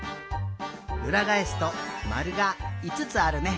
うらがえすとまるがいつつあるね。